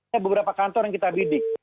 ya beberapa kantor yang kita bidik